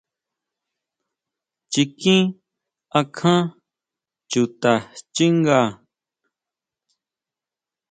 Chiquín akján chuta xchínga.